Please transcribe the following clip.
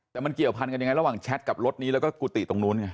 แต่มันเกี่ยวพันกันยังไงระหว่างแชทกับรถนี้แล้วก็กุฏิตรงนู้นไง